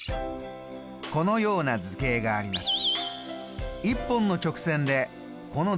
このような図形があります。